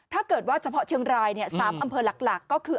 ถ้าเกิดว่าเฉพาะเชียงราย๓อำเภอหลักก็คือ